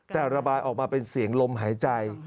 แต่ระบายออกมาเป็นเสียงลมหายใจ